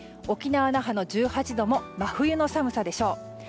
沖縄・那覇の１８度も真冬の寒さでしょう。